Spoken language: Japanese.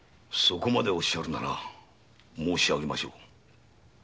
そこまでおっしゃるなら申し上げましょう。